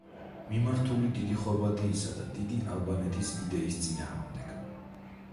მიმართული დიდი ხორვატიისა და დიდი ალბანეთის იდეის წინააღმდეგ.